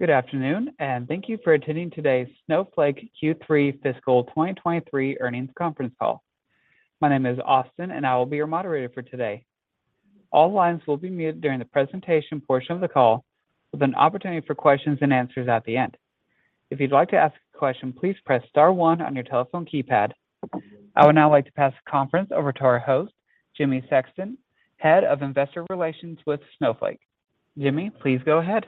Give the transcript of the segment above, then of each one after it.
Good afternoon, and thank you for attending today's Snowflake Q3 fiscal year 2023 earnings conference call. My name is Austin, and I will be your moderator for today. All lines will be muted during the presentation portion of the call, with an opportunity for questions and answers at the end. If you'd like to ask a question, please press star one on your telephone keypad. I would now like to pass the conference over to our host, Jimmy Sexton, Head of Investor Relations with Snowflake. Jimmy, please go ahead.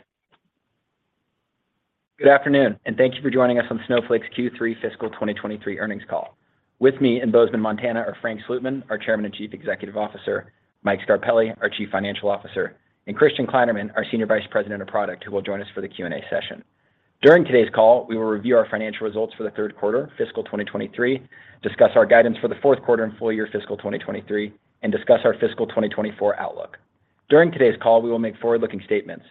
Good afternoon, and thank you for joining us on Snowflake's Q3 fiscal year 2023 earnings call. With me in Bozeman, Montana, are Frank Slootman, our Chairman and Chief Executive Officer, Mike Scarpelli, our Chief Financial Officer, and Christian Kleinerman, our Senior Vice President of Product, who will join us for the Q&A session. During today's call, we will review our financial results for the third quarter fiscal year 2023, discuss our guidance for the fourth quarter and full-year fiscal year 2023, and discuss our fiscal year 2024 outlook. During today's call, we will make forward-looking statements,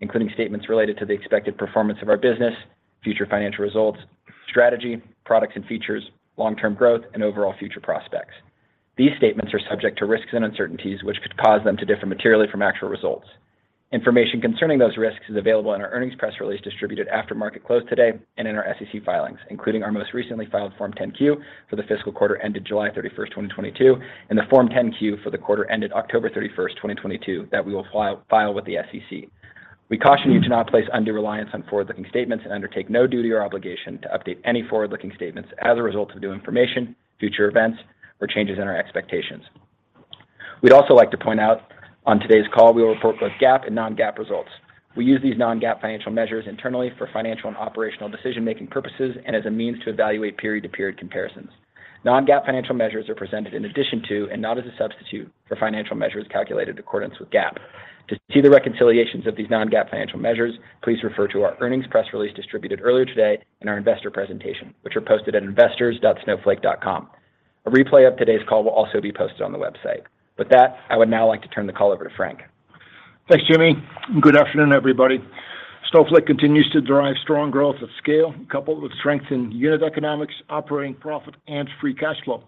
including statements related to the expected performance of our business, future financial results, strategy, products and features, long-term growth, and overall future prospects. These statements are subject to risks and uncertainties, which could cause them to differ materially from actual results. Information concerning those risks is available in our earnings press release distributed after market close today and in our SEC filings, including our most recently filed Form 10-Q for the fiscal quarter ended July 31st, 2022, and the Form 10-Q for the quarter ended October 31st, 2022 that we will file with the SEC. We caution you to not place undue reliance on forward-looking statements and undertake no duty or obligation to update any forward-looking statements as a result of new information, future events, or changes in our expectations. We'd also like to point out on today's call we will report both GAAP and non-GAAP results. We use these non-GAAP financial measures internally for financial and operational decision-making purposes and as a means to evaluate period-to-period comparisons. Non-GAAP financial measures are presented in addition to, and not as a substitute for financial measures calculated in accordance with GAAP. To see the reconciliations of these non-GAAP financial measures, please refer to our earnings press release distributed earlier today and our investor presentation, which are posted at investors.snowflake.com. A replay of today's call will also be posted on the website. With that, I would now like to turn the call over to Frank. Thanks, Jimmy. Good afternoon, everybody. Snowflake continues to drive strong growth at scale, coupled with strength in unit economics, operating profit, and free cash flow.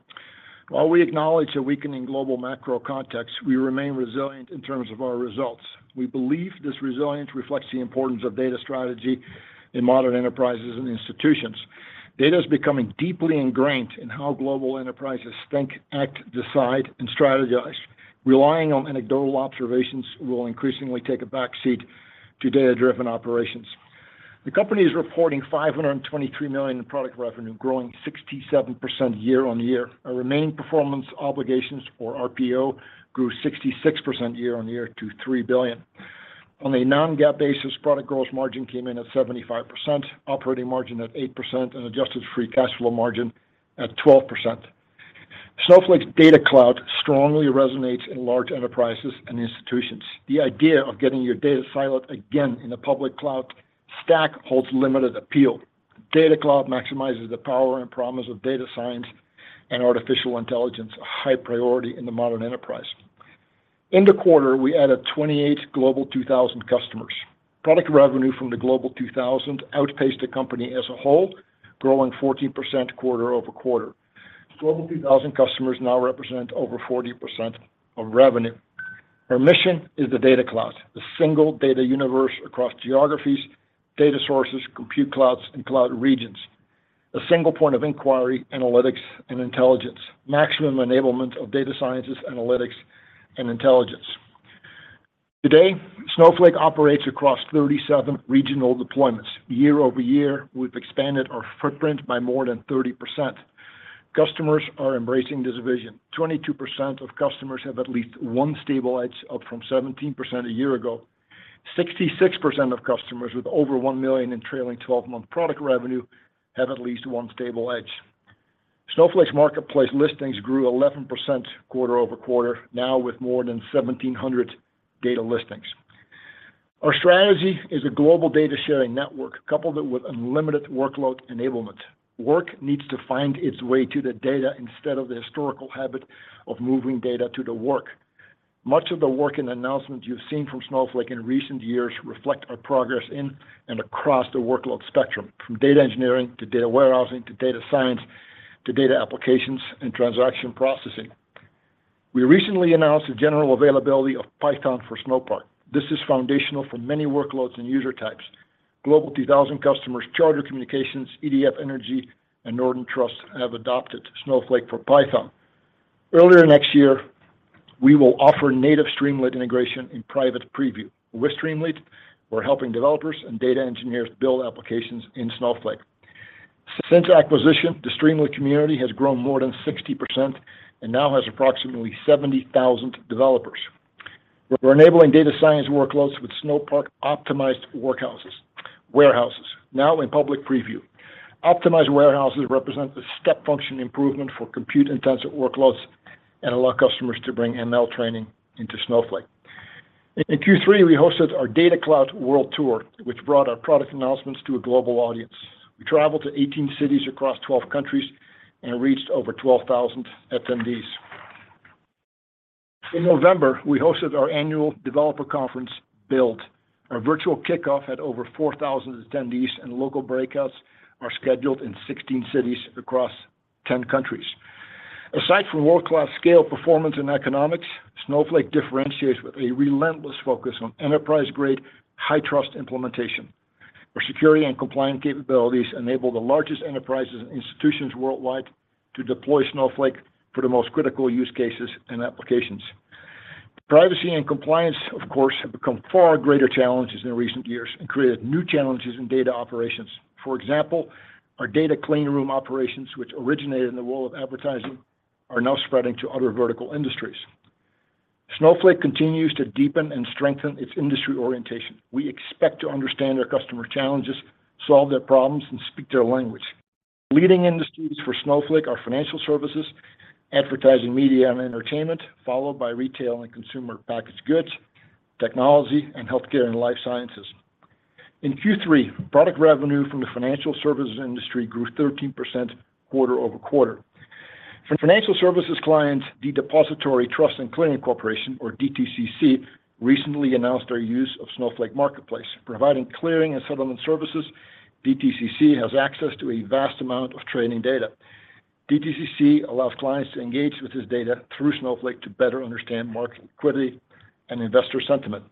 While we acknowledge a weakening global macro context, we remain resilient in terms of our results. We believe this resilience reflects the importance of data strategy in modern enterprises and institutions. Data is becoming deeply ingrained in how global enterprises think, act, decide, and strategize. Relying on anecdotal observations will increasingly take a back seat to data-driven operations. The company is reporting $523 million in product revenue, growing 67% year-over-year. Our remaining performance obligations or RPO grew 66% year-over-year to $3 billion. On a non-GAAP basis, product gross margin came in at 75%, operating margin at 8%, and adjusted free cash flow margin at 12%. Snowflake's Data Cloud strongly resonates in large enterprises and institutions. The idea of getting your data siloed again in a public cloud stack holds limited appeal. Data Cloud maximizes the power and promise of data science and artificial intelligence, a high priority in the modern enterprise. In the quarter, we added 28 Global 2000 customers. Product revenue from the Global 2000 outpaced the company as a whole, growing 14% quarter-over-quarter. Global 2000 customers now represent over 40% of revenue. Our mission is the Data Cloud, the single data universe across geographies, data sources, compute clouds, and cloud regions. A single point of inquiry, analytics, and intelligence. Maximum enablement of data sciences, analytics, and intelligence. Today, Snowflake operates across 37 regional deployments. Year-over-year, we've expanded our footprint by more than 30%. Customers are embracing this vision. 22% of customers have at least one stable edge, up from 17% a year ago. 66% of customers with over $1 million in trailing 12-month product revenue have at least one stable edge. Snowflake Marketplace listings grew 11% quarter-over-quarter, now with more than 1,700 data listings. Our strategy is a global data-sharing network coupled with unlimited workload enablement. Work needs to find its way to the data instead of the historical habit of moving data to the work. Much of the work and announcements you've seen from Snowflake in recent years reflect our progress in and across the workload spectrum, from data engineering to data warehousing to data science to data applications and transaction processing. We recently announced the general availability of Python for Snowpark. This is foundational for many workloads and user types. Global 2000 customers, Charter Communications, EDF Energy, and Northern Trust have adopted Snowflake for Python. Earlier next year, we will offer native Streamlit integration in private preview. With Streamlit, we're helping developers and data engineers build applications in Snowflake. Since acquisition, the Streamlit community has grown more than 60% and now has approximately 70,000 developers. We're enabling data science workloads with Snowpark-optimized warehouses, now in public preview. Optimized warehouses represent a step function improvement for compute-intensive workloads and allow customers to bring ML training into Snowflake. In Q3, we hosted our Data Cloud World Tour, which brought our product announcements to a global audience. We traveled to 18 cities across 12 countries and reached over 12,000 attendees. In November, we hosted our annual developer conference, Build. Our virtual kickoff had over 4,000 attendees. Local breakouts are scheduled in 16 cities across 10 countries. Aside from world-class scale performance and economics, Snowflake differentiates with a relentless focus on enterprise-grade high trust implementation, where security and compliance capabilities enable the largest enterprises and institutions worldwide to deploy Snowflake for the most critical use cases and applications. Privacy and compliance, of course, have become far greater challenges in recent years, and created new challenges in data operations. For example, our data clean room operations, which originated in the world of advertising, are now spreading to other vertical industries. Snowflake continues to deepen and strengthen its industry orientation. We expect to understand our customer challenges, solve their problems, and speak their language. Leading industries for Snowflake are financial services, advertising media, and entertainment, followed by retail and consumer packaged goods, technology, and healthcare and life sciences. In Q3, product revenue from the financial services industry grew 13% quarter-over-quarter. For financial services clients, The Depository Trust & Clearing Corporation, or DTCC, recently announced their use of Snowflake Marketplace. Providing clearing and settlement services, DTCC has access to a vast amount of training data. DTCC allows clients to engage with this data through Snowflake to better understand market liquidity and investor sentiment.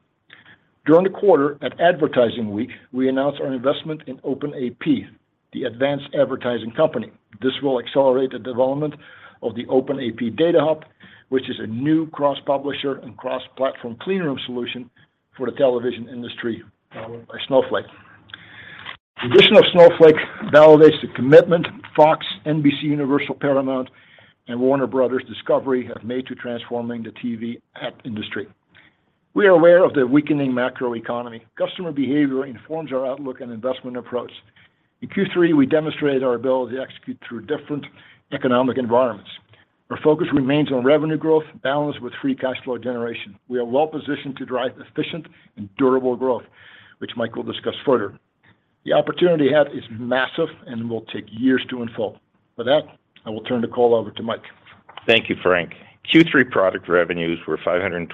During the quarter, at Advertising Week, we announced our investment in OpenAP, the advanced advertising company. This will accelerate the development of the OpenAP Data Hub, which is a new cross-publisher and cross-platform clean room solution for the television industry by Snowflake. The addition of Snowflake validates the commitment Fox, NBCUniversal, Paramount, and Warner Bros. Discovery have made to transforming the TV ad industry. We are aware of the weakening macroeconomy. Customer behavior informs our outlook and investment approach. In Q3, we demonstrated our ability to execute through different economic environments. Our focus remains on revenue growth balanced with free cash flow generation. We are well positioned to drive efficient and durable growth, which Mike will discuss further. The opportunity ahead is massive, and will take years to unfold. With that, I will turn the call over to Mike. Thank you, Frank. Q3 product revenues were $523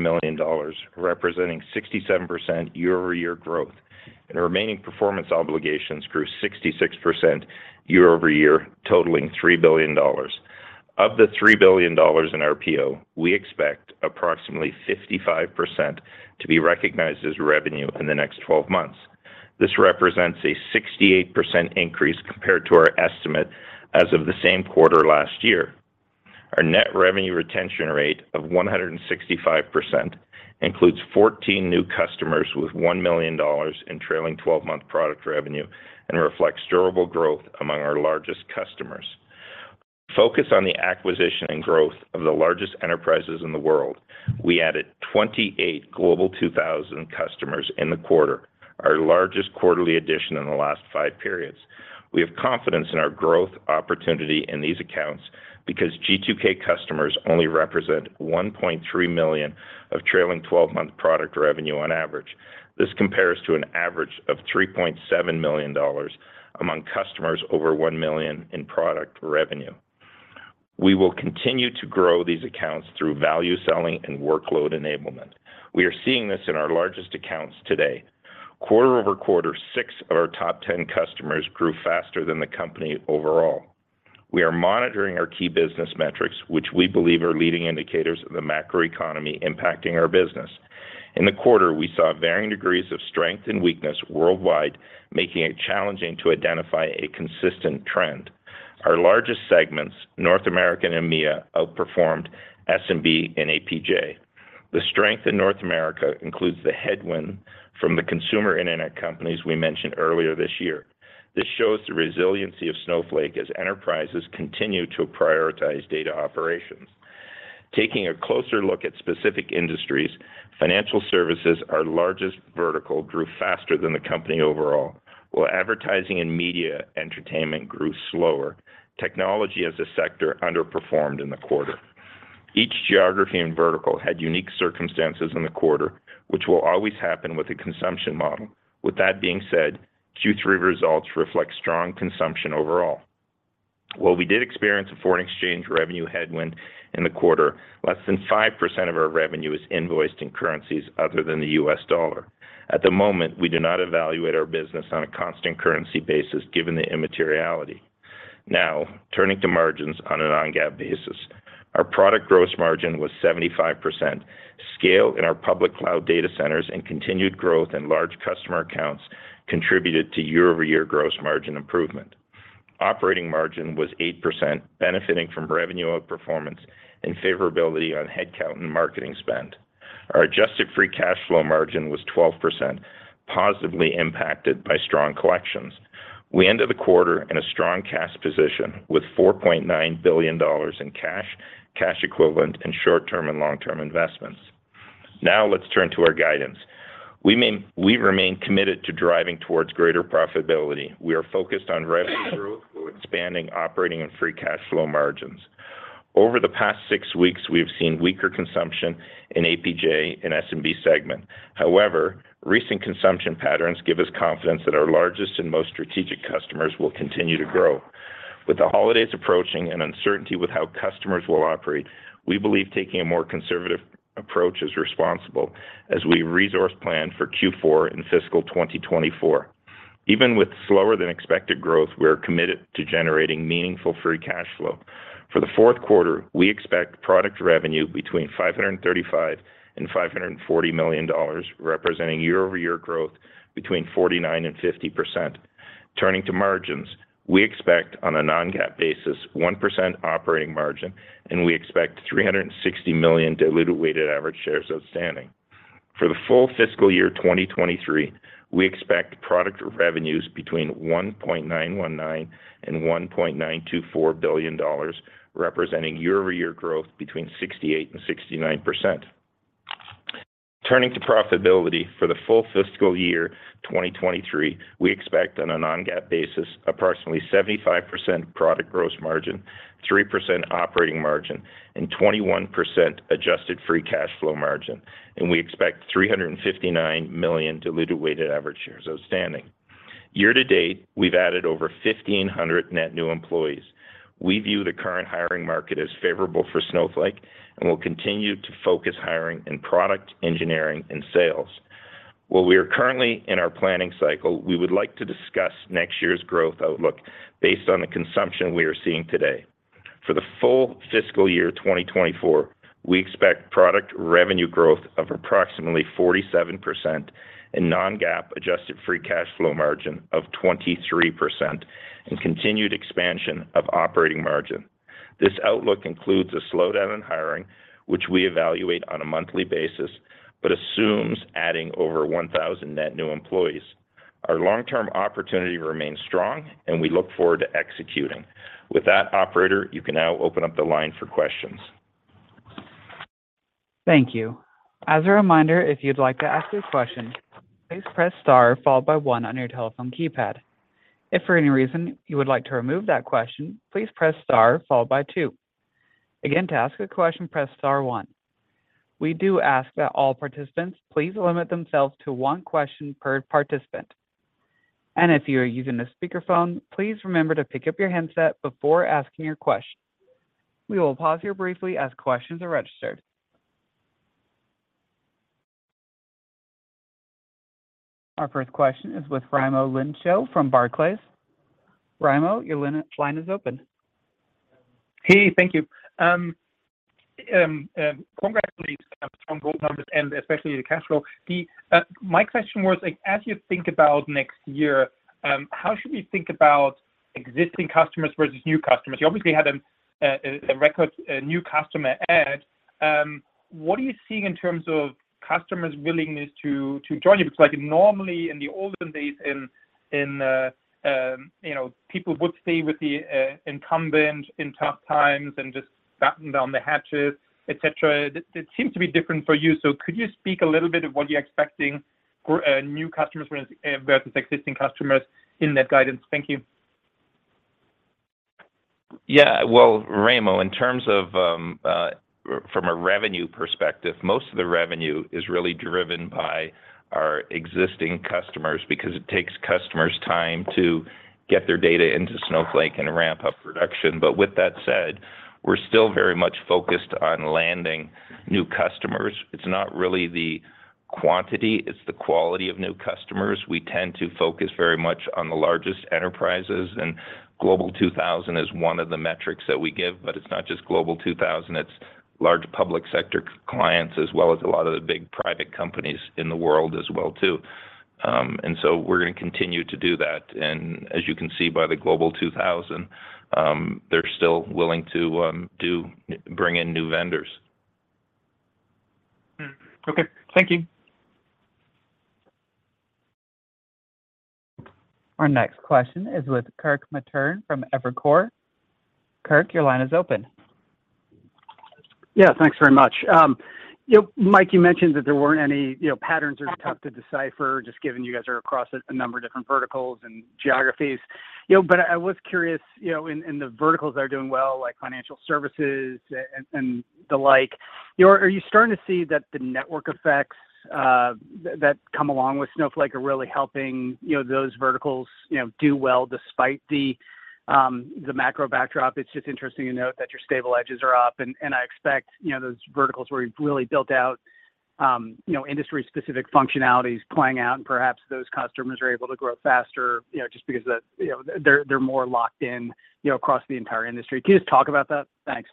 million, representing 67% year-over-year growth. Our remaining performance obligations grew 66% year-over-year, totaling $3 billion. Of the $3 billion in RPO, we expect approximately 55% to be recognized as revenue in the next 12 months. This represents a 68% increase compared to our estimate as of the same quarter last year. Our net revenue retention rate of 165% includes 14 new customers with $1 million in trailing 12-month product revenue, and reflects durable growth among our largest customers. Focus on the acquisition and growth of the largest enterprises in the world, we added 28 Global 2000 customers in the quarter, our largest quarterly addition in the last five periods. We have confidence in our growth opportunity in these accounts because G2K customers only represent $1.3 million of trailing 12-month product revenue on average. This compares to an average of $3.7 million among customers over $1 million in product revenue. We will continue to grow these accounts through value selling and workload enablement. We are seeing this in our largest accounts today. Quarter-over-quarter, six of our top 10 customers grew faster than the company overall. We are monitoring our key business metrics, which we believe are leading indicators of the macroeconomy impacting our business. In the quarter, we saw varying degrees of strength and weakness worldwide, making it challenging to identify a consistent trend. Our largest segments, North American and EMEA, outperformed SMB and APJ. The strength in North America includes the headwind from the consumer internet companies we mentioned earlier this year. This shows the resiliency of Snowflake as enterprises continue to prioritize data operations. Taking a closer look at specific industries, financial services, our largest vertical, grew faster than the company overall, while advertising and media entertainment grew slower. Technology as a sector underperformed in the quarter. Each geography and vertical had unique circumstances in the quarter, which will always happen with a consumption model. With that being said, Q3 results reflect strong consumption overall. While we did experience a foreign exchange revenue headwind in the quarter, less than 5% of our revenue is invoiced in currencies other than the U.S. dollar. At the moment, we do not evaluate our business on a constant currency basis given the immateriality. Turning to margins on a non-GAAP basis. Our product gross margin was 75%. Scale in our public cloud data centers and continued growth in large customer accounts contributed to year-over-year gross margin improvement. Operating margin was 8%, benefiting from revenue outperformance and favorability on headcount and marketing spend. Our adjusted free cash flow margin was 12%, positively impacted by strong collections. We ended the quarter in a strong cash position with $4.9 billion in cash equivalent, and short-term and long-term investments. Now let's turn to our guidance. We remain committed to driving towards greater profitability. We are focused on revenue growth through expanding operating and free cash flow margins. Over the past six weeks, we have seen weaker consumption in APJ and SMB segment. However, recent consumption patterns give us confidence that our largest and most strategic customers will continue to grow. With the holidays approaching and uncertainty with how customers will operate, we believe taking a more conservative approach is responsible as we resource plan for Q4 in fiscal year 2024. Even with slower than expected growth, we're committed to generating meaningful free cash flow. For the fourth quarter, we expect product revenue between $535 million and $540 million, representing year-over-year growth between 49% and 50%. Turning to margins, we expect, on a non-GAAP basis, 1% operating margin, and we expect 360 million diluted weighted average shares outstanding. For the full fiscal year 2023, we expect product revenues between $1.919 billion and $1.924 billion, representing year-over-year growth between 68% and 69%. Turning to profitability, for the full fiscal year 2023, we expect on a non-GAAP basis, approximately 75% product gross margin, 3% operating margin, and 21% adjusted free cash flow margin. We expect 359 million diluted weighted average shares outstanding. Year-to-date, we've added over 1,500 net new employees. We view the current hiring market as favorable for Snowflake and will continue to focus hiring in product engineering and sales. While we are currently in our planning cycle, we would like to discuss next year's growth outlook based on the consumption we are seeing today. For the full fiscal year 2024, we expect product revenue growth of approximately 47% and non-GAAP adjusted free cash flow margin of 23% and continued expansion of operating margin. This outlook includes a slowdown in hiring, which we evaluate on a monthly basis, but assumes adding over 1,000 net new employees. Our long-term opportunity remains strong and we look forward to executing. With that, operator, you can now open up the line for questions. Thank you. As a reminder, if you'd like to ask a question, please press star followed by one on your telephone keypad. If for any reason you would like to remove that question, please press star followed by two. Again, to ask a question, press star one. We do ask that all participants please limit themselves to one question per participant. If you are using a speakerphone, please remember to pick up your handset before asking your question. We will pause here briefly as questions are registered. Our first question is with Raimo Lenschow from Barclays. Raimo, your line is open. Hey, thank you. Congrats, please, on both numbers, and especially the cash flow. My question was, like, as you think about next year, how should we think about existing customers versus new customers? You obviously had a record new customer add. What are you seeing in terms of customers' willingness to join you? Because, like, normally in the olden days, you know, people would stay with the incumbent in tough times and just batten down the hatches, et cetera. It seems to be different for you. Could you speak a little bit of what you're expecting for new customers versus existing customers in that guidance? Thank you. Well, Raimo, in terms of from a revenue perspective, most of the revenue is really driven by our existing customers because it takes customers time to get their data into Snowflake and ramp up production. With that said, we're still very much focused on landing new customers. It's not really the quantity, it's the quality of new customers. We tend to focus very much on the largest enterprises, and Global 2000 is one of the metrics that we give, but it's not just Global 2000, it's large public sector clients, as well as a lot of the big private companies in the world as well too. So we're gonna continue to do that. As you can see by the Global 2000, they're still willing to bring in new vendors. Okay. Thank you. Our next question is with Kirk Materne from Evercore. Kirk, your line is open. Yeah. Thanks very much. You know, Mike, you mentioned that there weren't any, you know, patterns are tough to decipher, just given you guys are across a number of different verticals and geographies. You know, I was curious, you know, in the verticals that are doing well, like financial services and the like, you know, are you starting to see that the network effects that come along with Snowflake are really helping, you know, those verticals, you know, do well despite the macro backdrop? It's just interesting to note that your stable edges are up, and I expect, you know, those verticals where you've really built out, you know, industry-specific functionalities playing out, and perhaps those customers are able to grow faster, you know, just because the, they're more locked in, you know, across the entire industry. Can you just talk about that? Thanks.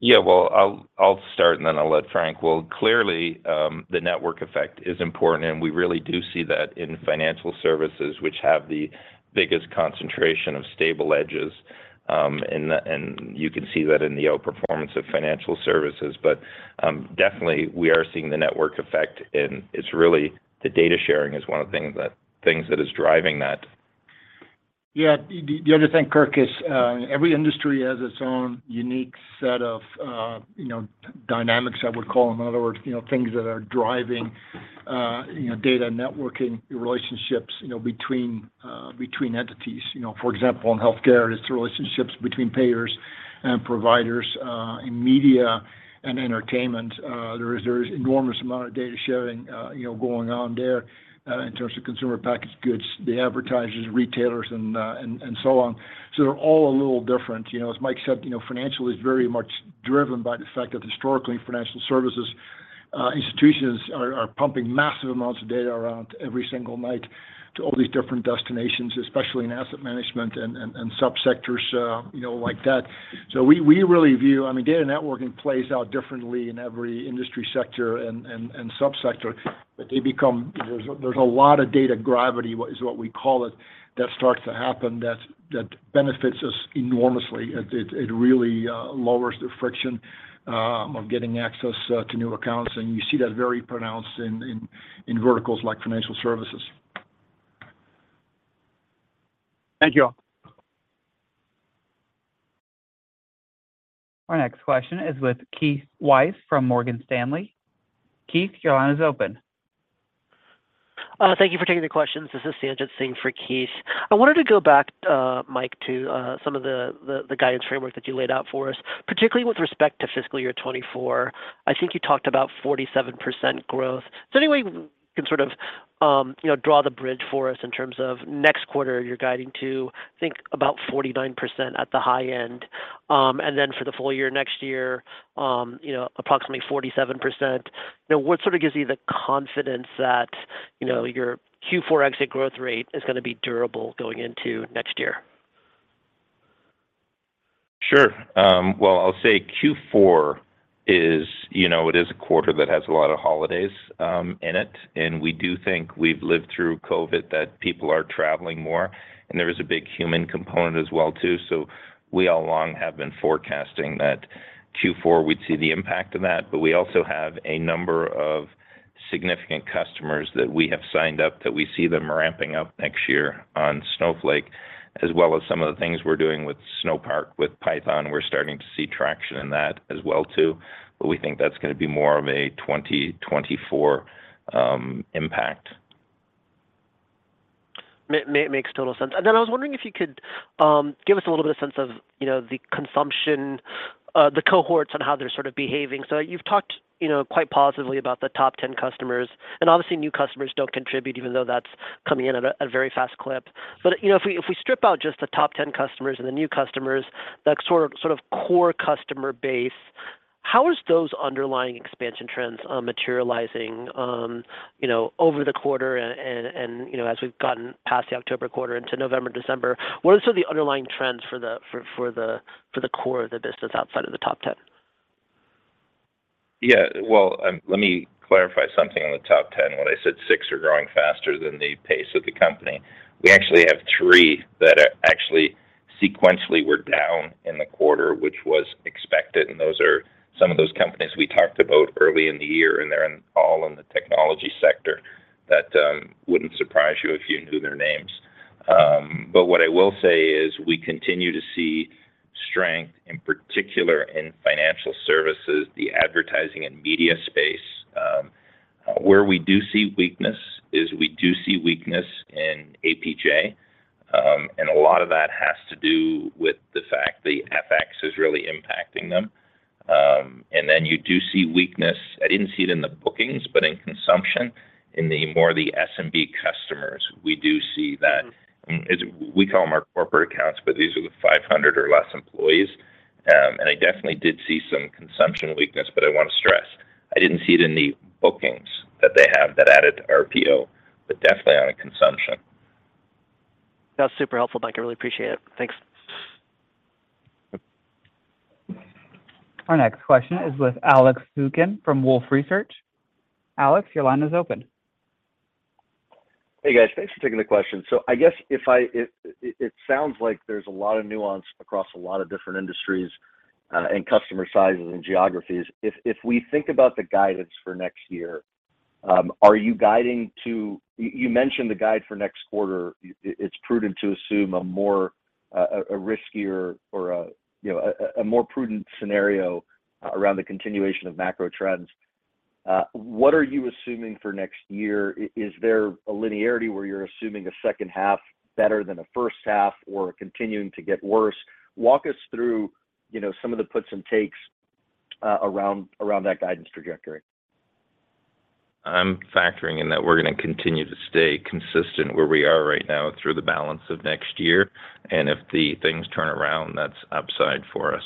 Yeah. Well, I'll start and then I'll let Frank. Well, clearly, the network effect is important, and we really do see that in financial services, which have the biggest concentration of stable edges. You can see that in the outperformance of financial services. Definitely we are seeing the network effect, and it's really the data sharing is one of the things that is driving that. Yeah. The other thing, Kirk, is every industry has its own unique set of, you know, dynamics, I would call them. In other words, you know, things that are driving, you know, data networking relationships, you know, between entities. You know, for example, in healthcare, it's the relationships between payers and providers. In media and entertainment, there is enormous amount of data sharing, you know, going on there. In terms of consumer packaged goods, the advertisers, retailers, and so on. They're all a little different. You know, as Mike said, you know, financial is very much driven by the fact that historically financial services. Institutions are pumping massive amounts of data around every single night to all these different destinations, especially in asset management and subsectors, you know, like that. We really I mean, data networking plays out differently in every industry sector and subsector, but there's a lot of data gravity, is what we call it, that starts to happen that benefits us enormously. It really lowers the friction of getting access to new accounts, and you see that very pronounced in verticals like financial services. Thank you. Our next question is with Keith Weiss from Morgan Stanley. Keith, your line is open. Thank you for taking the questions. This is Sanjit Singh for Keith. I wanted to go back, Mike, to some of the guidance framework that you laid out for us, particularly with respect to fiscal year 2024. I think you talked about 47% growth. Is there any way you can sort of, you know, draw the bridge for us in terms of next quarter you're guiding to, I think, about 49% at the high end, and then for the full-year next year, you know, approximately 47%. You know, what sort of gives you the confidence that, you know, your Q4 exit growth rate is gonna be durable going into next year? Sure. Well, I'll say Q4 is, you know, it is a quarter that has a lot of holidays in it. We do think we've lived through COVID that people are traveling more, and there is a big human component as well too. We all along have been forecasting that Q4, we'd see the impact of that. We also have a number of significant customers that we have signed up that we see them ramping up next year on Snowflake, as well as some of the things we're doing with Snowpark, with Python, we're starting to see traction in that as well too. We think that's gonna be more of a 2024 impact. Makes total sense. I was wondering if you could give us a little bit of sense of, you know, the consumption, the cohorts and how they're sort of behaving. You've talked, you know, quite positively about the top 10 customers, and obviously new customers don't contribute even though that's coming in at a very fast clip. You know, if we, if we strip out just the top 10 customers and the new customers, that sort of core customer base, how is those underlying expansion trends materializing, you know, over the quarter and, you know, as we've gotten past the October quarter into November, December? What are some of the underlying trends for the core of the business outside of the top 10? Yeah. Well, let me clarify something on the top 10. When I said six are growing faster than the pace of the company, we actually have three that are actually sequentially were down in the quarter, which was expected, and those are some of those companies we talked about early in the year, and they're in all in the technology sector that wouldn't surprise you if you knew their names. What I will say is we continue to see strength, in particular in financial services, the advertising, and media space. Where we do see weakness is we do see weakness in APJ, and a lot of that has to do with the fact the FX is really impacting them. You do see weakness. I didn't see it in the bookings, but in consumption in the more the SMB customers, we do see that. Mm-hmm. We call them our corporate accounts, but these are the 500 or less employees. I definitely did see some consumption weakness. I wanna stress, I didn't see it in the bookings that they have that added to RPO, definitely on a consumption. That's super helpful, Mike. I really appreciate it. Thanks. Our next question is with Alex Zukin from Wolfe Research. Alex, your line is open. Hey, guys. Thanks for taking the question. It sounds like there's a lot of nuance across a lot of different industries, and customer sizes and geographies. If we think about the guidance for next year, are you guiding to? You mentioned the guide for next quarter, it's prudent to assume a more riskier or a, you know, a more prudent scenario around the continuation of macro trends. What are you assuming for next year? Is there a linearity where you're assuming a second half better than a first half or continuing to get worse? Walk us through, you know, some of the puts and takes around that guidance trajectory. I'm factoring in that we're gonna continue to stay consistent where we are right now through the balance of next year, and if the things turn around, that's upside for us.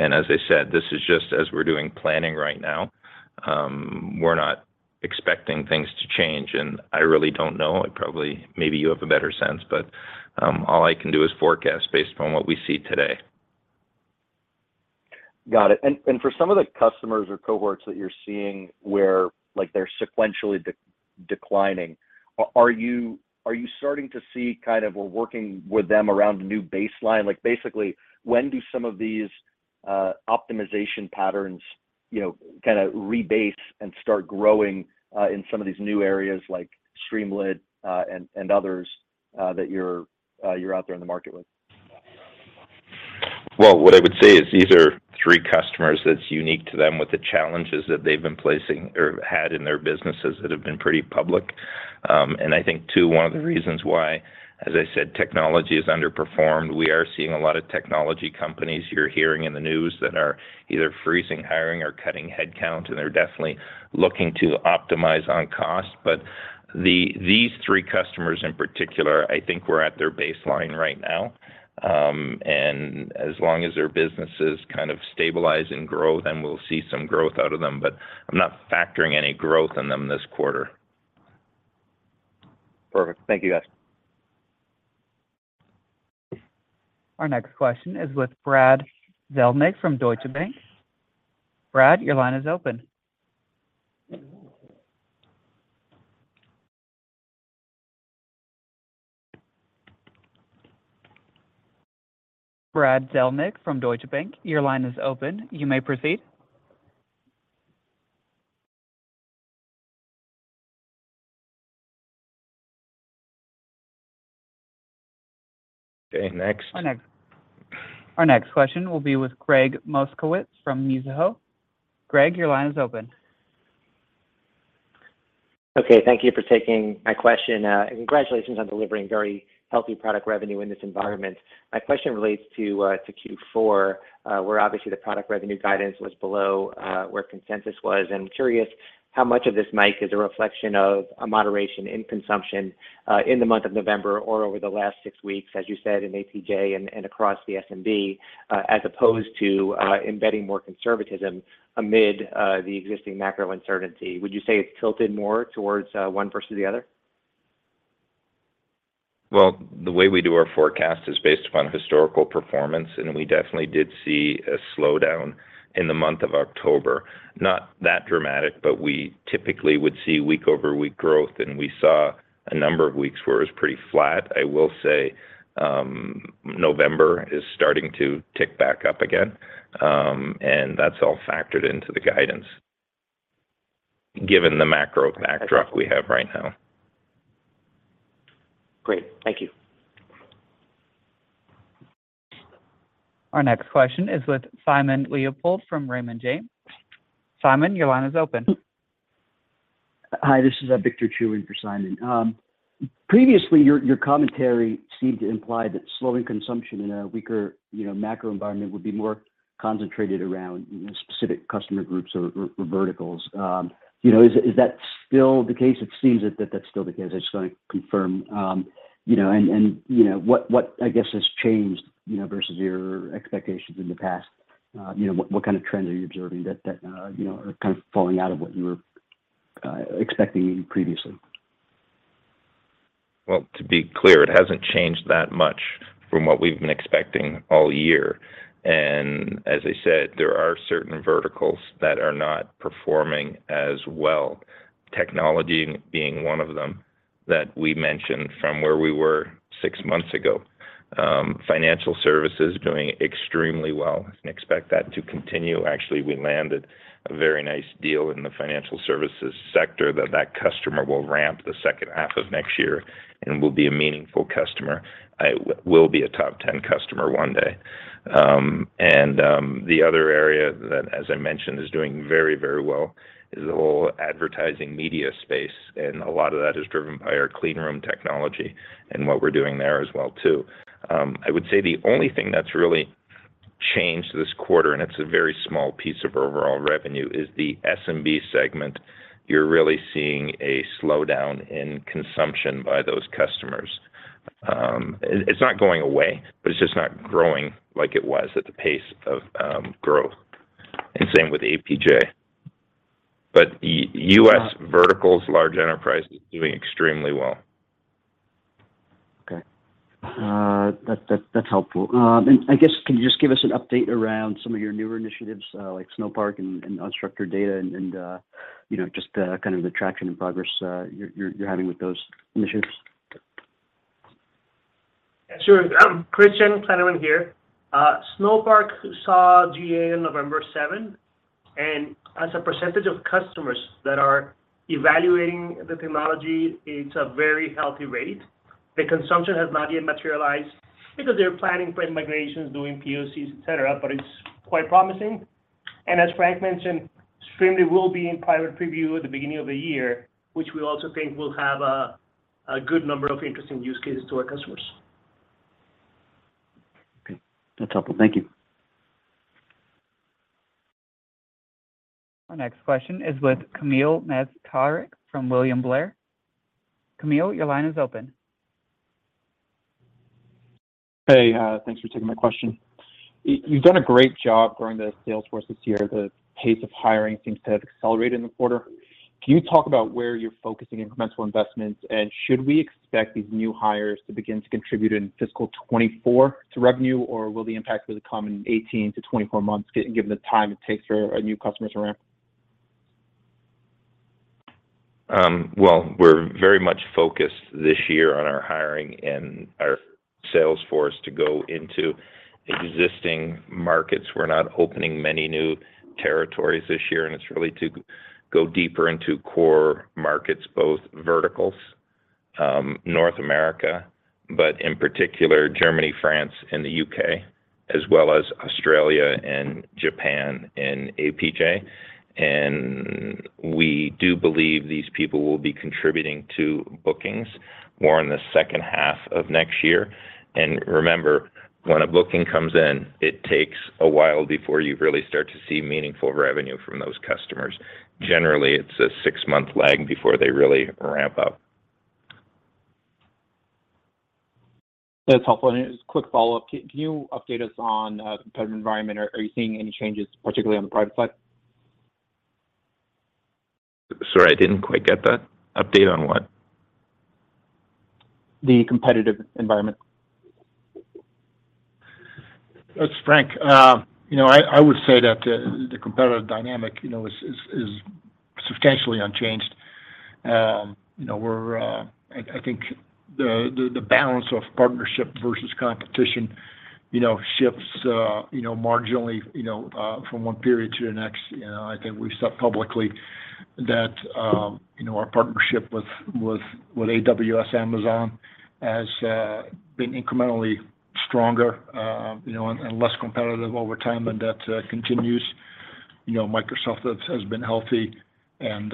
As I said, this is just as we're doing planning right now, we're not expecting things to change. I really don't know. Maybe you have a better sense, but all I can do is forecast based on what we see today. Got it. For some of the customers or cohorts that you're seeing where, like, they're sequentially declining, are you starting to see kind of we're working with them around a new baseline? Like, basically, when do some of these optimization patterns, you know, kinda rebase and start growing in some of these new areas like Streamlit and others that you're out there in the market with? What I would say is these are three customers that's unique to them with the challenges that they've been placing or had in their businesses that have been pretty public. I think too, one of the reasons why, as I said, technology has underperformed, we are seeing a lot of technology companies you're hearing in the news that are either freezing hiring or cutting headcount, and they're definitely looking to optimize on cost. These three customers in particular, I think we're at their baseline right now. As long as their businesses kind of stabilize and grow, then we'll see some growth out of them. I'm not factoring any growth in them this quarter. Perfect. Thank you, guys. Our next question is with Brad Zelnick from Deutsche Bank. Brad, your line is open. Brad Zelnick from Deutsche Bank, your line is open. You may proceed. Okay, next. Our next question will be with Gregg Moskowitz from Mizuho. Gregg, your line is open. Okay. Thank you for taking my question. Congratulations on delivering very healthy product revenue in this environment. My question relates to Q4, where obviously the product revenue guidance was below where consensus was. I'm curious how much of this, Mike, is a reflection of a moderation in consumption in the month of November or over the last six weeks, as you said in APJ and across the SMB, as opposed to embedding more conservatism amid the existing macro uncertainty? Would you say it's tilted more towards one versus the other? The way we do our forecast is based upon historical performance, and we definitely did see a slowdown in the month of October. Not that dramatic, but we typically would see week-over-week growth, and we saw a number of weeks where it was pretty flat. I will say, November is starting to tick back up again, and that's all factored into the guidance given the macro backdrop we have right now. Great. Thank you. Our next question is with Simon Leopold from Raymond James. Simon, your line is open. Hi, this is Victor Chiu in for Simon. Previously, your commentary seemed to imply that slowing consumption in a weaker, you know, macro environment would be more concentrated around, you know, specific customer groups or verticals. Is that still the case? It seems that's still the case. I just wanna confirm. What I guess has changed, you know, versus your expectations in the past? What kind of trends are you observing that, you know, are kind of falling out of what you were expecting previously? Well, to be clear, it hasn't changed that much from what we've been expecting all year. As I said, there are certain verticals that are not performing as well, technology being one of them that we mentioned from where we were six months ago. Financial services doing extremely well and expect that to continue. Actually, we landed a very nice deal in the financial services sector that that customer will ramp the second half of next year and will be a meaningful customer. Will be a top 10 customer one day. The other area that, as I mentioned, is doing very, very well is the whole advertising media space, and a lot of that is driven by our clean room technology and what we're doing there as well too. I would say the only thing that's really changed this quarter, it's a very small piece of overall revenue, is the SMB segment. You're really seeing a slowdown in consumption by those customers. It's not going away, but it's just not growing like it was at the pace of growth, and same with APJ. U.S. verticals, large enterprise is doing extremely well. Okay. That's helpful. I guess, can you just give us an update around some of your newer initiatives, like Snowpark and unstructured data and, you know, just, kind of the traction and progress, you're having with those initiatives? Yeah, sure. Christian Kleinerman here. Snowpark saw GA on November 7, and as a percentage of customers that are evaluating the technology, it's a very healthy rate. The consumption has not yet materialized because they're planning for migrations, doing POCs, et cetera, but it's quite promising. As Frank mentioned, Streamlit will be in private preview at the beginning of the year, which we also think will have a good number of interesting use cases to our customers. Okay. That's helpful. Thank you. Our next question is with Kamil Mielczarek from William Blair. Kamil, your line is open. Hey. Thanks for taking my question. You've done a great job growing the sales force this year. The pace of hiring seems to have accelerated in the quarter. Can you talk about where you're focusing incremental investments? Should we expect these new hires to begin to contribute in fiscal year 2024 to revenue, or will the impact really come in 18 to 24 months given the time it takes for new customers to ramp? Well, we're very much focused this year on our hiring and our sales force to go into existing markets. We're not opening many new territories this year, it's really to go deeper into core markets, both verticals, North America, but in particular Germany, France, and the U.K., as well as Australia and Japan and APJ. We do believe these people will be contributing to bookings more in the second half of next year. Remember, when a booking comes in, it takes a while before you really start to see meaningful revenue from those customers. Generally, it's a six-month lag before they really ramp up. That's helpful. Just quick follow-up. Can you update us on competitive environment? Are you seeing any changes, particularly on the private side? Sorry, I didn't quite get that. Update on what? The competitive environment. It's Frank. You know, I would say that the competitive dynamic, you know, is substantially unchanged. You know, I think the balance of partnership versus competition, you know, shifts, you know, marginally, you know, from one period to the next. You know, I think we've said publicly that, you know, our partnership with AWS Amazon has been incrementally stronger, you know, and less competitive over time, and that continues. You know, Microsoft has been healthy and,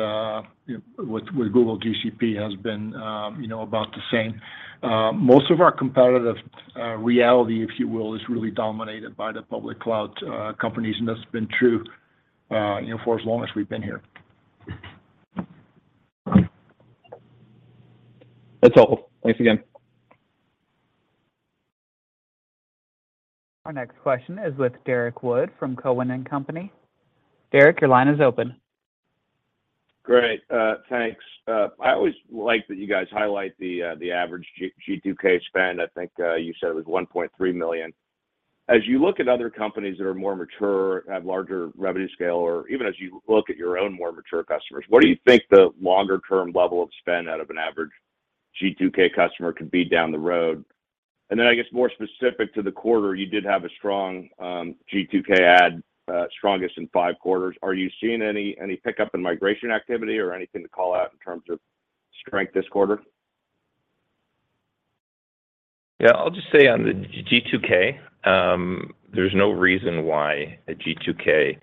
you know, with Google, GCP has been, you know, about the same. Most of our competitive reality, if you will, is really dominated by the public cloud companies, and that's been true, you know, for as long as we've been here. That's all. Thanks again. Our next question is with Derrick Wood from Cowen and Company. Derrick, your line is open. Great. Thanks. I always like that you guys highlight the average G2K spend. I think you said it was $1.3 million. As you look at other companies that are more mature, have larger revenue scale, or even as you look at your own more mature customers, what do you think the longer term level of spend out of an average G2K customer could be down the road? I guess more specific to the quarter, you did have a strong G2K ad, strongest in five quarters. Are you seeing any pickup in migration activity or anything to call out in terms of strength this quarter? Yeah, I'll just say on the G2K, there's no reason why a G2K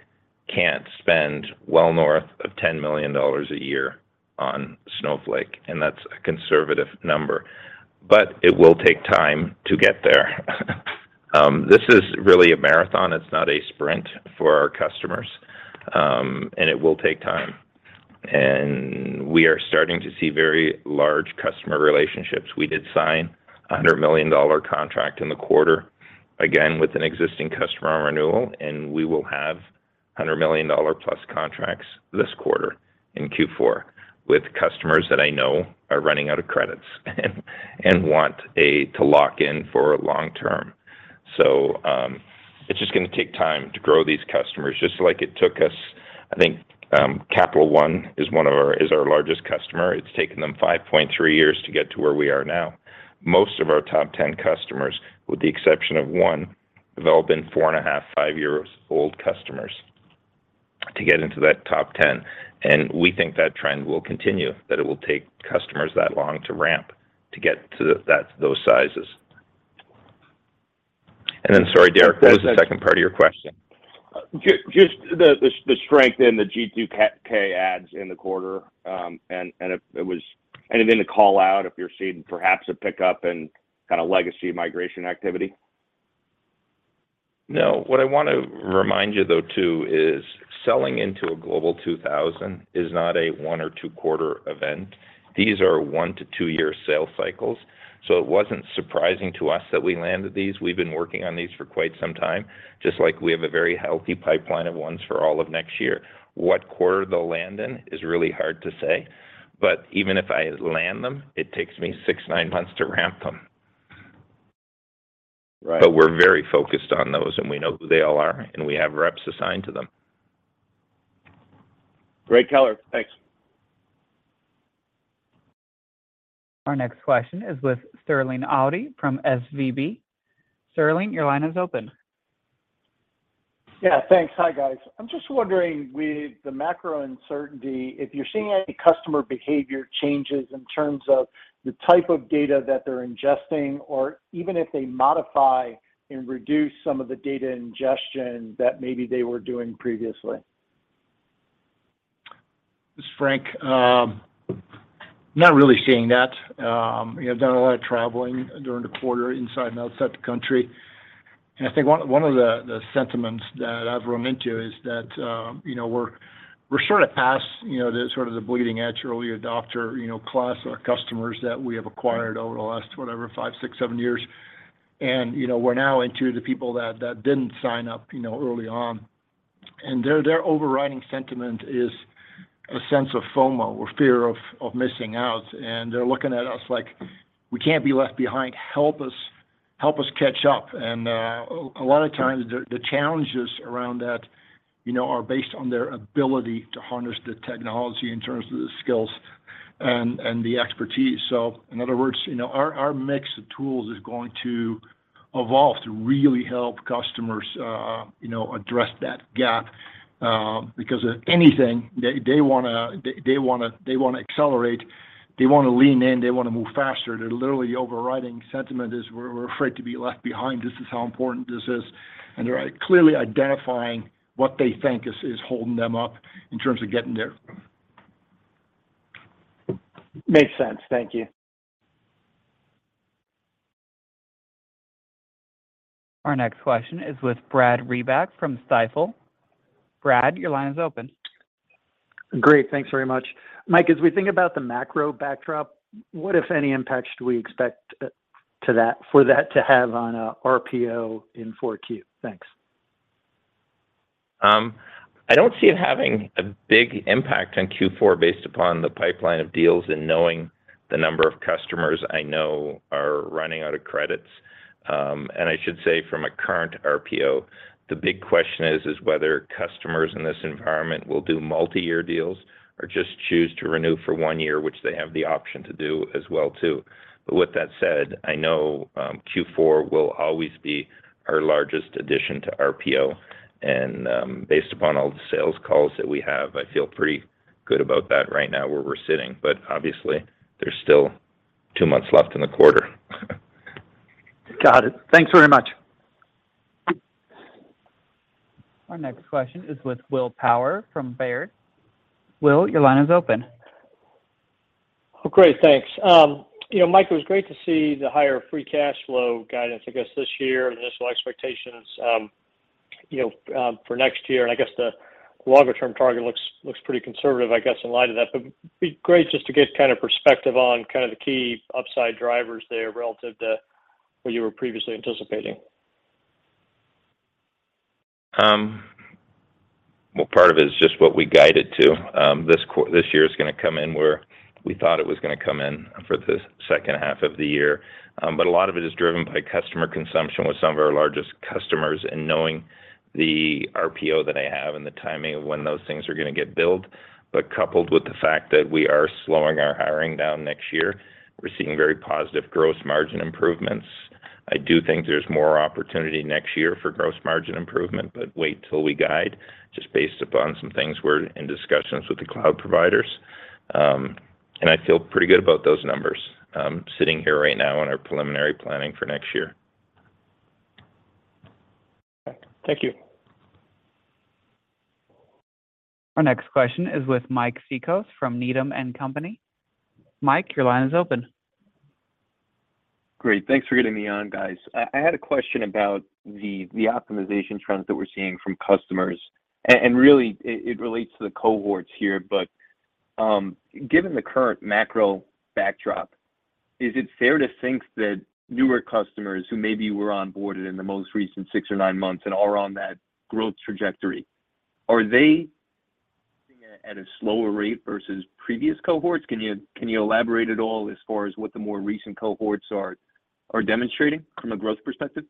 can't spend well north of $10 million a year on Snowflake, and that's a conservative number. It will take time to get there. This is really a marathon. It's not a sprint for our customers, and it will take time. We are starting to see very large customer relationships. We did sign a $100 million contract in the quarter, again, with an existing customer on renewal, and we will have $100 million-plus contracts this quarter in Q4 with customers that I know are running out of credits and want to lock in for long term. It's just gonna take time to grow these customers, just like it took us, I think Capital One is our largest customer. It's taken them 5.3 years to get to where we are now. Most of our top 10 customers, with the exception of one, have all been 4.5 years old customers to get into that top 10, and we think that trend will continue, that it will take customers that long to ramp to get to those sizes. Sorry, Derrick, what was the second part of your question? Just the strength in the G2K ads in the quarter, and anything to call out if you're seeing perhaps a pickup in kinda legacy migration activity? No. What I want to remind you though too is selling into a Global 2000 is not a one or two quarter event. These are one to two-year sales cycles, so it wasn't surprising to us that we landed these. We've been working on these for quite some time, just like we have a very healthy pipeline of ones for all of next year. What quarter they'll land in is really hard to say, but even if I land them, it takes me six, nine months to ramp them. Right. We're very focused on those, and we know who they all are, and we have reps assigned to them. Great color. Thanks. Our next question is with Sterling Auty from SVB. Sterling, your line is open. Yeah, thanks. Hi, guys. I'm just wondering with the macro uncertainty, if you're seeing any customer behavior changes in terms of the type of data that they're ingesting or even if they modify and reduce some of the data ingestion that maybe they were doing previously? This is Frank. Not really seeing that. You know, I've done a lot of traveling during the quarter inside and outside the country. I think one of the sentiments that I've run into is that, you know, we're sort of past, you know, the sort of the bleeding edge, early adopter, you know, class of customers that we have acquired over the last, whatever, five, six, seven years. You know, we're now into the people that didn't sign up, you know, early on, and their overriding sentiment is a sense of FOMO or fear of missing out. They're looking at us like, "We can't be left behind. Help us. Help us catch up." A lot of times the challenges around that, you know, are based on their ability to harness the technology in terms of the skills and the expertise. In other words, you know, our mix of tools is going to evolve to really help customers, you know, address that gap because anything they want to accelerate, they want to lean in, they want to move faster. Their literally overriding sentiment is, "We're afraid to be left behind. This is how important this is." They're clearly identifying what they think is holding them up in terms of getting there. Makes sense. Thank you. Our next question is with Brad Reback from Stifel. Brad, your line is open. Great. Thanks very much. Mike, as we think about the macro backdrop, what if any impacts do we expect for that to have on RPO in 4Q? Thanks. I don't see it having a big impact on Q4 based upon the pipeline of deals and knowing the number of customers I know are running out of credits. I should say from a current RPO, the big question is whether customers in this environment will do multi-year deals or just choose to renew for one year, which they have the option to do as well, too. With that said, I know, Q4 will always be our largest addition to RPO. Based upon all the sales calls that we have, I feel pretty good about that right now, where we're sitting. Obviously, there's still two months left in the quarter. Got it. Thanks very much. Our next question is with Will Power from Baird. Will, your line is open. Oh, great. Thanks. you know, Mike, it was great to see the higher free cash flow guidance, I guess, this year, initial expectations, you know, for next year. I guess the longer term target looks pretty conservative, I guess, in light of that. It'd be great just to get kind of perspective on kind of the key upside drivers there relative to what you were previously anticipating. Well, part of it is just what we guided to. This year is gonna come in where we thought it was gonna come in for the second half of the year. A lot of it is driven by customer consumption with some of our largest customers and knowing the RPO that I have and the timing of when those things are gonna get billed. Coupled with the fact that we are slowing our hiring down next year, we're seeing very positive gross margin improvements. I do think there's more opportunity next year for gross margin improvement, but wait till we guide, just based upon some things we're in discussions with the cloud providers. I feel pretty good about those numbers, sitting here right now in our preliminary planning for next year. Thank you. Our next question is with Mike Cikos from Needham and Company. Mike, your line is open. Great. Thanks for getting me on, guys. I had a question about the optimization trends that we're seeing from customers. Really it relates to the cohorts here. Given the current macro backdrop, is it fair to think that newer customers who maybe were onboarded in the most recent six or nine months and are on that growth trajectory, are they at a slower rate versus previous cohorts? Can you elaborate at all as far as what the more recent cohorts are demonstrating from a growth perspective?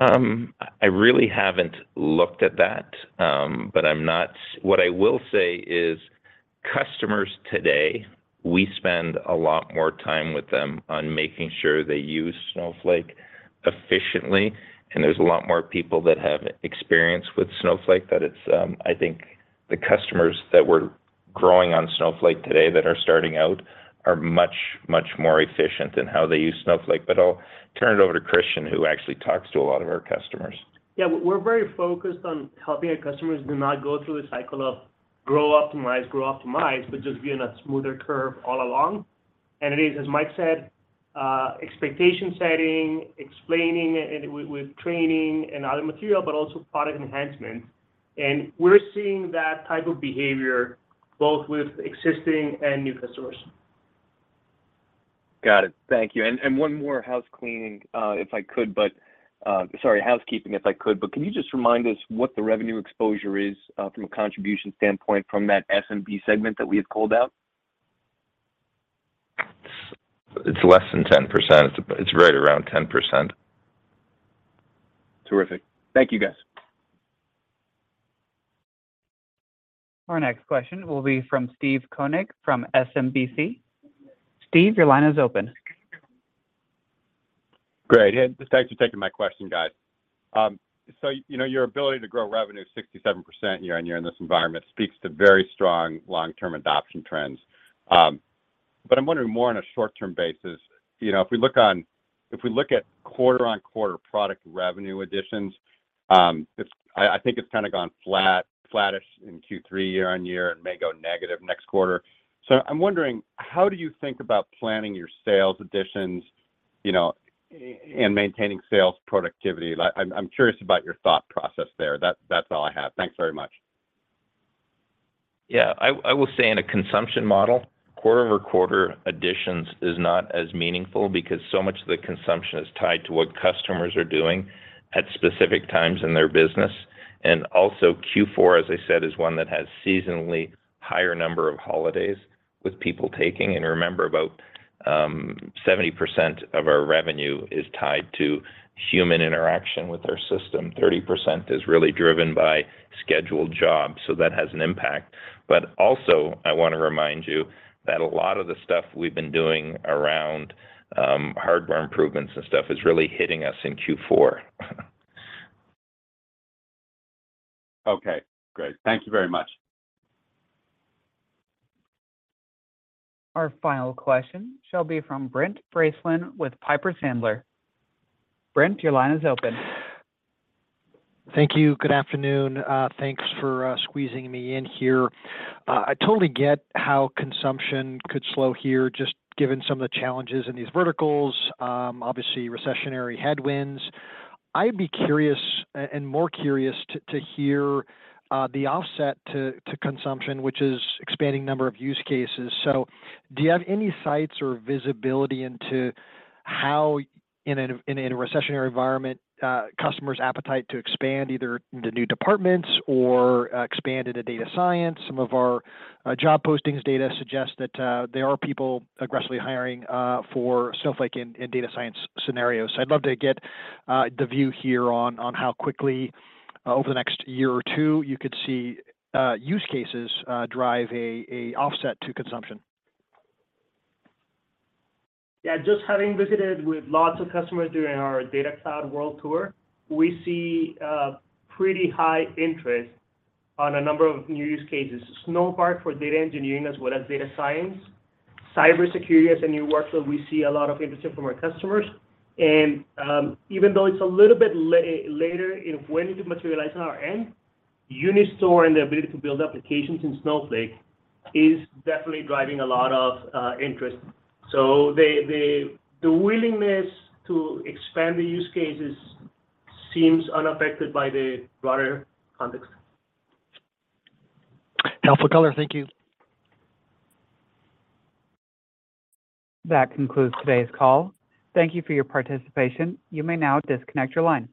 I really haven't looked at that. What I will say is customers today, we spend a lot more time with them on making sure they use Snowflake efficiently, and there's a lot more people that have experience with Snowflake that it's. I think the customers that we're growing on Snowflake today that are starting out are much, much more efficient in how they use Snowflake. I'll turn it over to Christian, who actually talks to a lot of our customers. Yeah. We're very focused on helping our customers do not go through a cycle of grow, optimize, grow, optimize, but just be in a smoother curve all along. It is, as Mike said, expectation setting, explaining it with training and other material, but also product enhancements. We're seeing that type of behavior both with existing and new customers. Got it. Thank you. One more house cleaning, if I could. Sorry, housekeeping, if I could. Can you just remind us what the revenue exposure is from a contribution standpoint from that SMB segment that we had called out? It's less than 10%. It's right around 10%. Terrific. Thank you, guys. Our next question will be from Steve Koenig from SMBC. Steve, your line is open. Great. Thanks for taking my question, guys. You know, your ability to grow revenue 67% year-over-year in this environment speaks to very strong long-term adoption trends. I'm wondering more on a short-term basis. You know, if we look at quarter-over-quarter product revenue additions, I think it's kind of gone flat, flattish in Q3 year-over-year and may go negative next quarter. I'm wondering, how do you think about planning your sales additions, you know, and maintaining sales productivity? Like, I'm curious about your thought process there. That's all I have. Thanks very much. Yeah. I will say in a consumption model, quarter-over-quarter additions is not as meaningful because so much of the consumption is tied to what customers are doing at specific times in their business. Also Q4, as I said, is one that has seasonally higher number of holidays with people taking. Remember, about 70% of our revenue is tied to human interaction with our system. 30% is really driven by scheduled jobs, so that has an impact. Also, I wanna remind you that a lot of the stuff we've been doing around hardware improvements and stuff is really hitting us in Q4. Okay. Great. Thank you very much. Our final question shall be from Brent Bracelin with Piper Sandler. Brent, your line is open. Thank you. Good afternoon. Thanks for squeezing me in here. I totally get how consumption could slow here, just given some of the challenges in these verticals, obviously recessionary headwinds. I'd be curious and more curious to hear the offset to consumption, which is expanding number of use cases. Do you have any sights or visibility into how in a recessionary environment, customers' appetite to expand either into new departments or expand into data science? Some of our job postings data suggests that there are people aggressively hiring for Snowflake in data science scenarios. I'd love to get the view here on how quickly over the next year or two, you could see use cases drive a offset to consumption. Just having visited with lots of customers during our Data Cloud World Tour, we see pretty high interest on a number of new use cases. Snowpark for data engineering as well as data science. Cybersecurity as a new workflow, we see a lot of interest from our customers. Even though it's a little bit later in when it will materialize on our end, Unistore and the ability to build applications in Snowflake is definitely driving a lot of interest. The willingness to expand the use cases seems unaffected by the broader context. Helpful color. Thank you. That concludes today's call. Thank you for your participation. You may now disconnect your line.